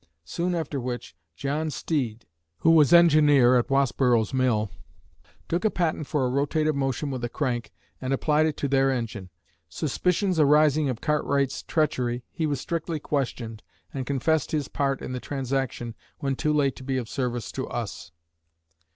Soon after which, John Steed, who was engineer at Wasborough's mill, took a patent for a rotative motion with a crank, and applied it to their engine. Suspicions arising of Cartwright's treachery, he was strictly questioned, and confessed his part in the transaction when too late to be of service to us.